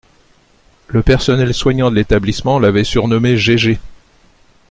Le personnel soignant de l’établissement l’avait surnommé GéGé